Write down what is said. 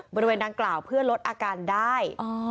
บริเวณดังกล่าวเพื่อลดอาการได้